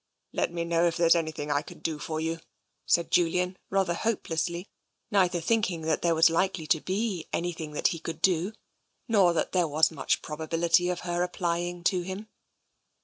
" Let me know if there is anything that I can do for you," said Sir Julian rather hopelessly, neither think ing that there was likely to be anything that he could do, nor that there was much probability of her apply ing to him.